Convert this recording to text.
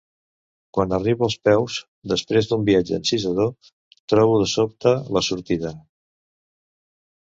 Quan arribo als peus, després d'un viatge encisador, trobo de sobte la sortida.